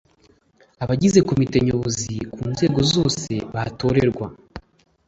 abagize komite nyobozi ku nzego zose batorerwa